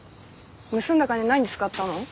盗んだ金何に使ったの？